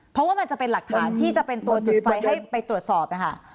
เพราะว่ามันจะเป็นหลักฐานที่จะเป็นตัวจุดไฟให้ไปตรวจสอบนะคะ